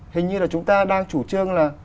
hình như là chúng ta đang chủ trương là